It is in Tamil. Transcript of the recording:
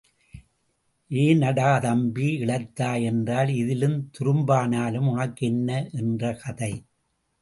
ஏன் அடா தம்பி இளைத்தாய் என்றால், இதிலும் துரும்பானாலும் உனக்கு என்ன என்ற கதை.